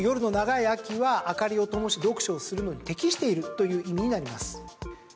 涼しく夜の長い秋は明かりを灯し読書をするのに適しているという意味になります。